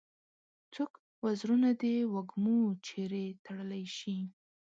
څوک وزرونه د وږمو چیري تړلای شي؟